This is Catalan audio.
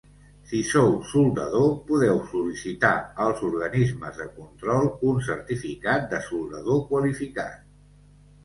Si sou soldador, podeu sol·licitar als organismes de control un certificat de soldador qualificat.